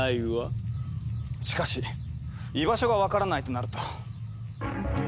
しかし居場所が分からないとなると。